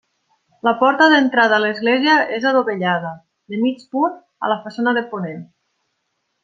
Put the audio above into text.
La porta d'entrada a l'església és adovellada, de mig punt, a la façana de ponent.